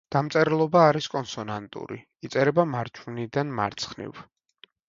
დამწერლობა არის კონსონანტური, იწერება მარჯვნიდან მარცხნივ.